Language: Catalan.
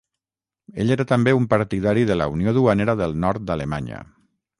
Ell era també un partidari de la Unió Duanera del Nord d'Alemanya.